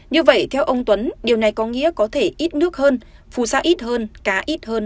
như vậy theo ông tuấn điều này có nghĩa có thể ít nước hơn phù sa ít hơn cá ít hơn